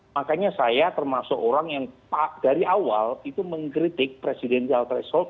makanya saya termasuk orang yang dari awal itu mengkritik presidential threshold